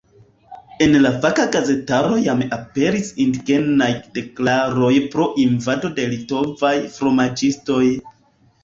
En la faka gazetaro jam aperis indignaj deklaroj pro invado de litovaj fromaĝistoj.